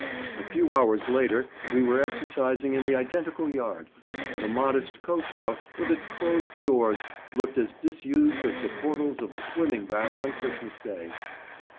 A few hours later we were exercising in the identical yard, and the modest coach house with its closed doors looked as disused as the portals of a swimming bath on Christmas Day.